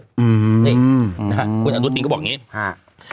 คุณอาจารย์ดูดินก็บอกอย่างนี้